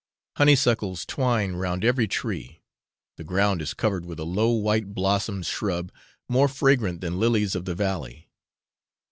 Honeysuckles twine round every tree; the ground is covered with a low white blossomed shrub more fragrant than lilies of the valley.